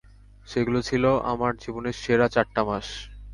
সেগুলো ছিল আমার জীবনের সেরা চারটা মাস।